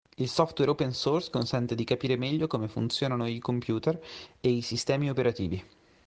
Il software open source consente di capire meglio come funzionano i computer e i sistemi operativi.